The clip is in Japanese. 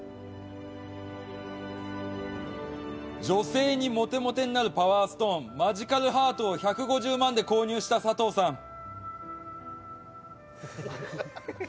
女性にモテモテになるパワーストーンマジカルハートを１５０万で購入したサトウさん